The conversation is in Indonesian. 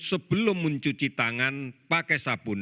sebelum mencuci tangan pakai sabun